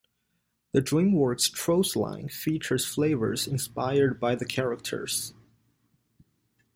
The Dreamworks Trolls line features flavors inspired by the characters.